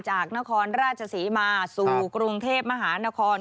จากนครราชศรีมาสู่กรุงเทพมหานคร